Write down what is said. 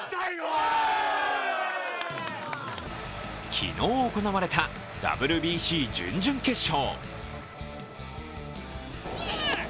昨日行われた、ＷＢＣ準々決勝。